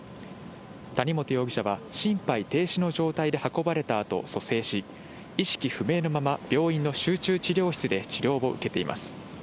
谷本容疑者は、心肺停止の状態で運ばれたあと、蘇生し、意識不明のまま、病院の集中治療室で治療を受けています。